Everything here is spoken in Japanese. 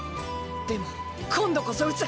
でも今度こそ打つ！